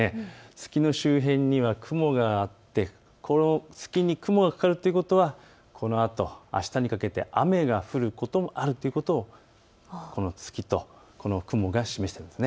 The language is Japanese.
月の周辺には雲があってこの月に雲がかかるということはこのあとあしたにかけて雨が降ることもあるということをこの月とこの雲が示しているんです。